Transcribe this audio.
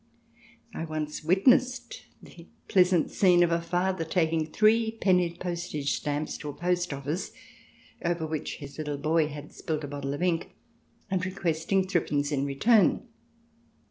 I once witnessed the pleasant scene of a father taking three penny postage stamps to a post office, over which his little boy had spilt a bottle of ink, and requesting threepence in return.